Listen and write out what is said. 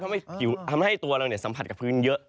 เราก็ทำได้ที่ตัวเราเนี่ยสัมผัสกับพื้นเยอะ